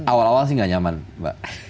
awal awal sih nggak nyaman mbak